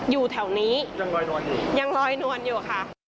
อยู่แถวนี้ยังรอยนวลอยู่ค่ะ